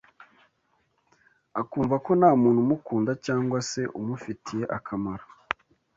akumva ko nta muntu umukunda cyangwa se umufitiye akamaro